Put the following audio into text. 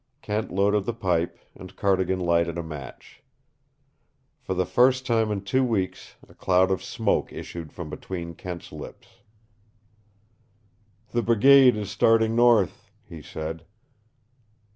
Kent loaded the pipe, and Cardigan lighted a match. For the first time in two weeks a cloud of smoke issued from between Kent's lips. "The brigade is starting north," he said.